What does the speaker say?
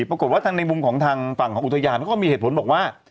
ปรากฏว่าทางในมุมของทางฝั่งของอุทยานเขาก็มีเหตุผลบอกว่า